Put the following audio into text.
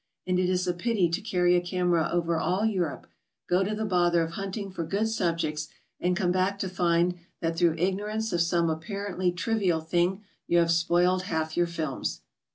And it is a pity to carry a camera over all Europe, go to the bother of hunt ing for good subjects and come back to find that through ignorance of some apparently trivial thing, you have spoiled half your films.